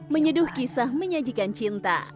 menyeduh kisah menyajikan cinta